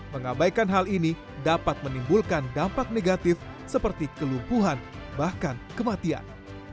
mengabaikan hal ini dapat menimbulkan dampak negatif seperti kelumpuhan bahkan kematian